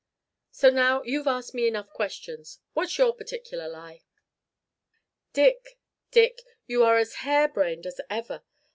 So now you've asked me enough questions, what's your particular lie?" "Dick, Dick, you are as hair brained as ever.